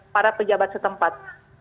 para pejabat setempat